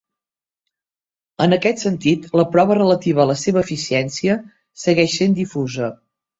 En aquest sentit, la prova relativa a la seva eficiència segueix sent difusa.